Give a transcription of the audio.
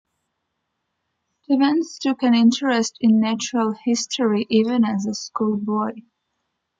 Stephens took an interest in natural history even as a schoolboy.